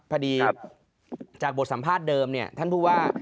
พอดีจากบทสัมภาษณ์เดิมเนี่ยท่านผู้ว่า